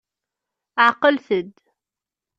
Ɛeqlet-d.